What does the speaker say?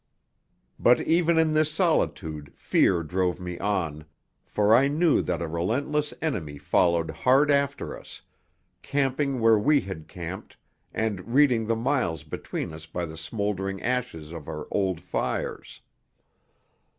But even in this solitude fear drove me on, for I knew that a relentless enemy followed hard after us, camping where we had camped and reading the miles between us by the smouldering ashes of our old fires.